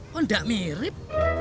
kok enggak mirip